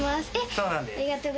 そうなんです。